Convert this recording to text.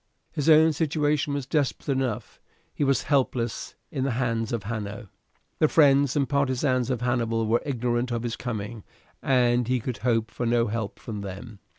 His own situation was desperate enough. He was helpless in the hands of Hanno. The friends and partisans of Hannibal were ignorant of his coming, and he could hope for no help from them.